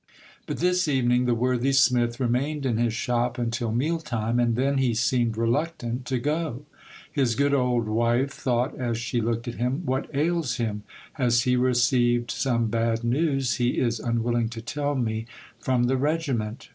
But this evening the worthy smith remained in his shop until meal time, and then he seemed reluctant to go. His good old wife thought as she looked at him, "What ails him? Has he received some bad news he is un willing to tell me, from the regiment?